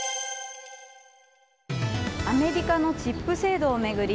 アメリカのチップ制度を巡り